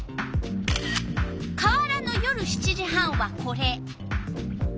川原の夜７時半はこれ。